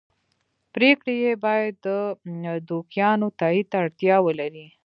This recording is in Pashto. پرېکړې یې باید د دوکیانو تایید ته اړتیا ولري.